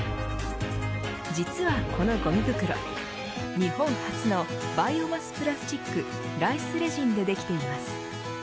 実は、このごみ袋日本発のバイオマスプラスチックライスレジンでできています。